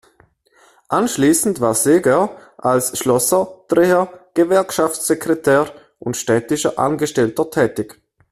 Anschließend war Seeger als Schlosser, Dreher, Gewerkschaftssekretär und städtischer Angestellter tätig.